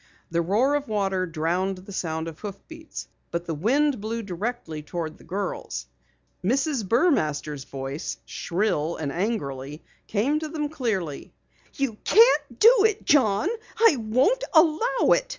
The roar of water drowned the sound of hoofbeats. But the wind blew directly toward the girls. Mrs. Burmaster's voice, shrill and angrily, came to them clearly: "You can't do it, John! I won't allow it!"